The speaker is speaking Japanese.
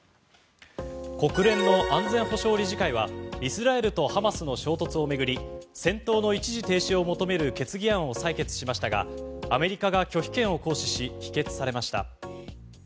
国連の安全保障理事会はイスラエルとハマスの衝突を巡り戦闘の一時停止を求める決議案を採択しましたがアメリカが拒否権を行使し否決されました。